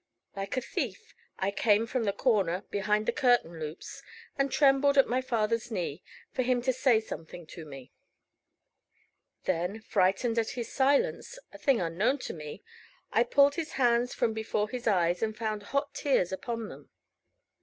Like a thief, I came from the corner behind the curtain loops, and trembled at my father's knee, for him to say something to me. Then frightened at his silence a thing unknown to me I pulled his hands from before his eyes, and found hot tears upon them.